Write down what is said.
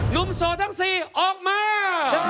นุ่มโสดทั้งสี่ออกมา